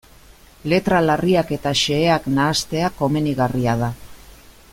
Letra larriak eta xeheak nahastea komenigarria da.